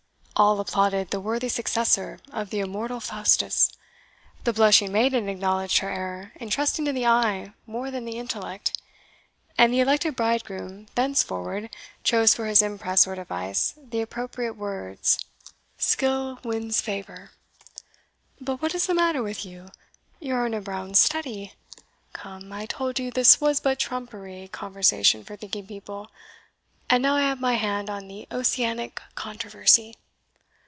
All applauded the worthy successor of the immortal Faustus the blushing maiden acknowledged her error in trusting to the eye more than the intellect and the elected bridegroom thenceforward chose for his impress or device the appropriate words, Skill wins favour.' But what is the matter with you? you are in a brown study! Come, I told you this was but trumpery conversation for thinking people and now I have my hand on the Ossianic Controversy."